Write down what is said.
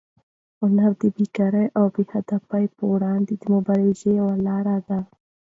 هنر د بېکارۍ او بې هدفۍ پر وړاندې د مبارزې یوه لاره ده.